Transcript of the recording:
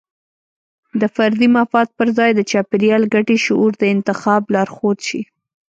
د فردي مفاد پر ځای د چاپیریال ګټې شعور د انتخاب لارښود شي.